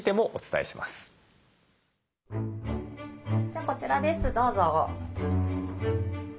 じゃあこちらですどうぞ。